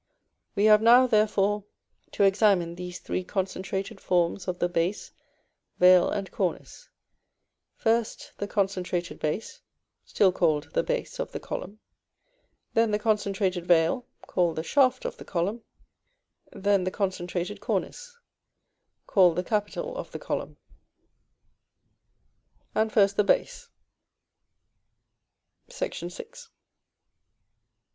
We have now, therefore, to examine these three concentrated forms of the base, veil, and cornice: first, the concentrated base, still called the BASE of the column; then the concentrated veil, called the SHAFT of the column; then the concentrated cornice, called the CAPITAL of the column. And first the Base: [Illustration: Fig. X.